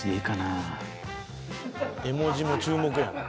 絵文字も注目やな。